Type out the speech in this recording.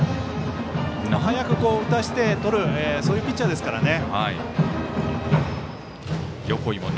早く打たせてとるそういうピッチャーですからね。